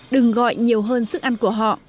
đừng gọi nhiều hơn sức ăn của họ